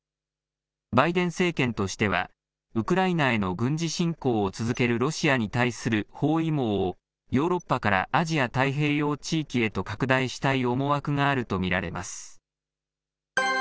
バイデン政権としては、ウクライナへの軍事侵攻を続けるロシアに対する包囲網をヨーロッパからアジア太平洋地域へと拡大したい思惑があると見られます。